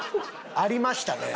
ありました！